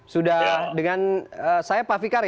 sudah dengan saya pak fikar ya